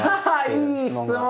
いい質問！